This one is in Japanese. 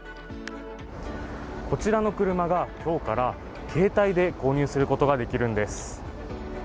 こちらの車が、今日から携帯で購入することができるんです。